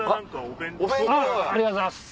ありがとうございます。